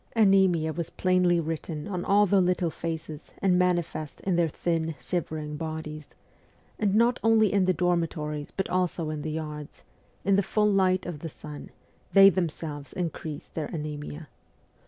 Anaemia was plainly written on all WESTERN EUROPE 269 the little faces and manifest in their thin, shivering bodies ; and not only in the dormitories but also in the yards, in the full light of the sun, they them selves increased their anaemia.